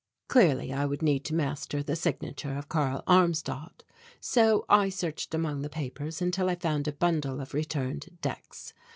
Clearly I would need to master the signature of Karl Armstadt so I searched among the papers until I found a bundle of returned decks.